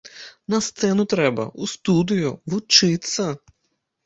На сцэну трэба, у студыю, вучыцца.